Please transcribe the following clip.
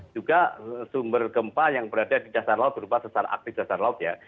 juga sumber gempa yang berada di dasar laut berupa sesar aktif dasar laut ya